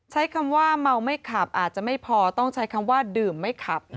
ใช้คำว่าเมาไม่ขับอาจจะไม่พอต้องใช้คำว่าดื่มไม่ขับ